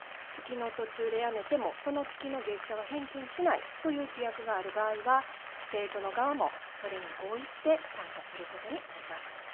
月の途中でやめてもその月の月謝は返金しないという規約がある場合は生徒の側もそれに合意して参加することになります。